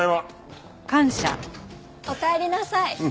おかえりなさい。